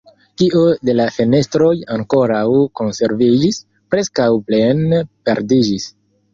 Kio de la fenestroj ankoraŭ konserviĝis, preskaŭ plene perdiĝis.